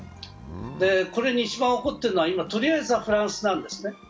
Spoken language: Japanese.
これに一番怒っているのは、とりあえずはフランスなんですね。